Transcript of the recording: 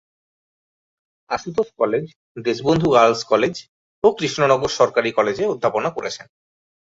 Ashutosh college, Deshbandhu girls college ও কৃষ্ণনগর সরকারি কলেজে অধ্যাপনা করেছেন।